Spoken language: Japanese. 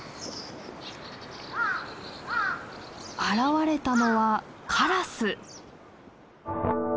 現れたのはカラス。